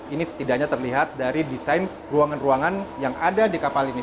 ini setidaknya terlihat dari desain ruangan ruangan yang ada di kapal ini